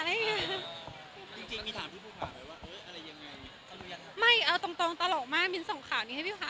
จริงมีถามพี่ผู้ข่าวไหมว่า